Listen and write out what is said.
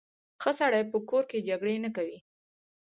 ښه سړی په کور کې جګړې نه کوي.